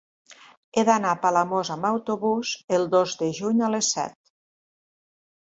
He d'anar a Palamós amb autobús el dos de juny a les set.